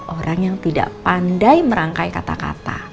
orang yang tidak pandai merangkai kata kata